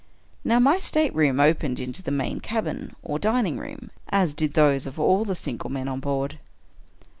Now, my stateroom opened into the main cabin, or dining room, as did those of all the single men on board.